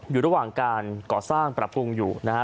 อยู่ระหว่างการก่อสร้างปรับปรุงอยู่นะฮะ